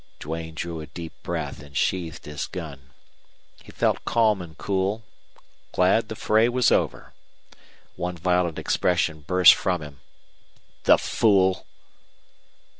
Duane drew a deep breath and sheathed his gun. He felt calm and cool, glad the fray was over. One violent expression burst from him. "The fool!"